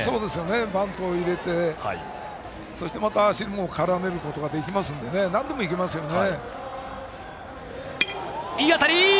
バントを入れてそして足も絡めることができますのでなんでもいけますね。